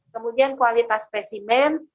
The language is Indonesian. kemudian kualitas spesimen